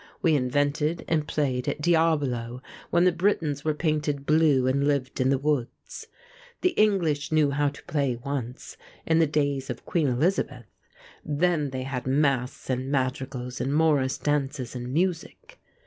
We invented and played at 'Diabolo' when the Britons were painted blue and lived in the woods. The English knew how to play once, in the days of Queen Elizabeth; then they had masques and madrigals and Morris dances and music.